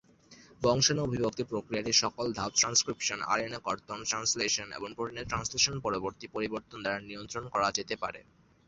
বংশাণু অভিব্যক্তি প্রক্রিয়াটির সকল ধাপ ট্রান্সক্রিপশন, আরএনএ কর্তন, ট্রান্সলেশন এবং প্রোটিনের ট্রান্সলেশন-পরবর্তী পরিবর্তন দ্বারা নিয়ন্ত্রণ করা যেতে পারে।